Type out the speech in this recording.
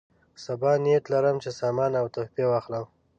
سبا نیت لرم چې سامان او تحفې واخلم.